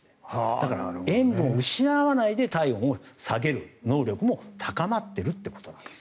だから、塩分を失わないで体温を下げる能力も高まっているということです。